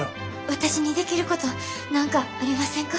私にできること何かありませんか？